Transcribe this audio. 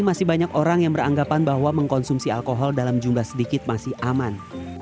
masih banyak orang yang beranggapan bahwa mengkonsumsi alkohol dalam jumlah sedikit masih aman